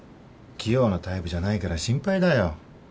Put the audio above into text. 器用なタイプじゃないから心配だよ。